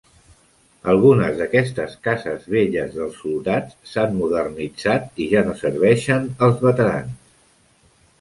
Algunes d'aquestes cases velles dels soldats s'han modernitzat i ja no serveixen els veterans.